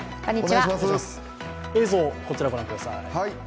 映像、こちらご覧ください。